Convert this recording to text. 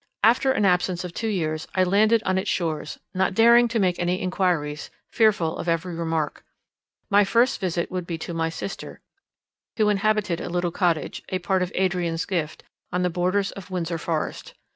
After an absence of two years I landed on its shores, not daring to make any inquiries, fearful of every remark. My first visit would be to my sister, who inhabited a little cottage, a part of Adrian's gift, on the borders of Windsor Forest.